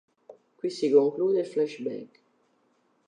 Qui si conclude il flashback.